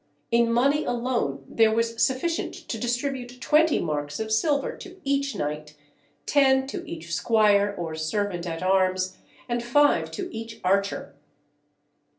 In money alone there was sufficient to distribute twenty marks of silver to each knight, ten to each squire or servant at arms, and five to each archer.